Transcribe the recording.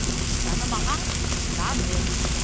Танымаһаң, таны!